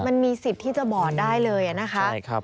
มันมีสิทธิ์ที่จะบอกได้เลยนะคะ